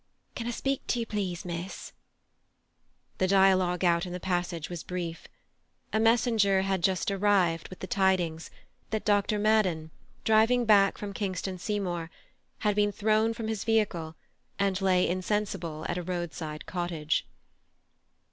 "Can I speak to you, please, miss?" The dialogue out in the passage was brief. A messenger had just arrived with the tidings that Dr. Madden, driving back from Kingston Seymour, had been thrown from his vehicle and lay insensible at a roadside cottage.